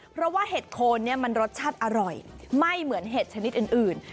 เพราะว่าเห็ดโคนเนี่ยมันรสชาติอร่อยไม่เหมือนเห็ดชนิดอื่น